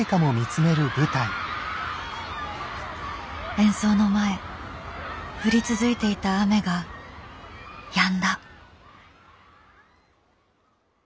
演奏の前降り続いていた雨がやんだ。